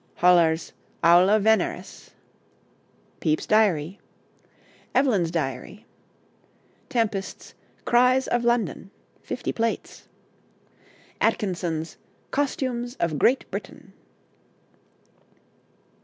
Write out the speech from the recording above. Hollar's 'Aula Veneris.' Pepys's Diary. Evelyn's Diary. Tempest's 'Cries of London.' Fifty plates. Atkinson's 'Costumes of Great Britain.'